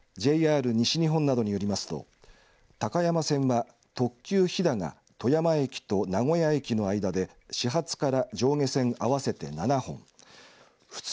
ＪＲ西日本などによりますと高山線は特急ひだが富山駅と名古屋駅の間で始発から上下線合わせて７本普通